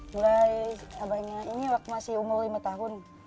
mulai kabarnya ini waktu masih umur lima tahun